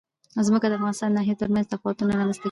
ځمکه د افغانستان د ناحیو ترمنځ تفاوتونه رامنځ ته کوي.